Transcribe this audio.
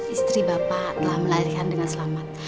istri bapak telah melahirkan dengan selamat